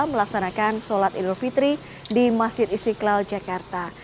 melaksanakan sholat idul fitri di masjid istiqlal jakarta